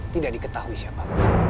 tidak diketahui siapa